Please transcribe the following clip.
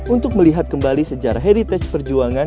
untuk melihat kembali sejarah heritage perjuangan